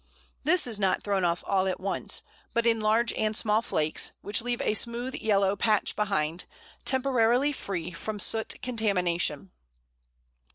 This is not thrown off all at once, but in large and small flakes, which leave a smooth yellow patch behind, temporarily free from soot contamination.